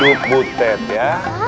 hidup butet ya